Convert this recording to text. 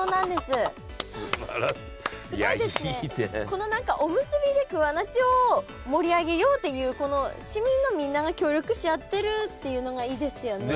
この何かおむすびで桑名市を盛り上げようっていう市民のみんなが協力し合ってるっていうのがいいですよね。